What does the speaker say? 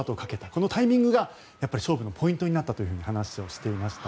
このタイミングが勝負のポイントになったと話をしていました。